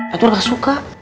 atur gak suka